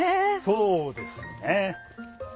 そうですね。